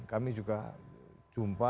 kami juga jumpa